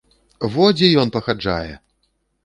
Во дзе ён пахаджае!